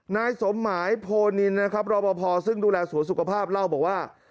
นายสมหมายโพนินนะครับรอปภซึ่งดูแลสวนสุขภาพเล่าบอกว่า